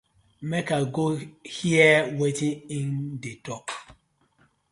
Mak I go heaar wetin im dey tok.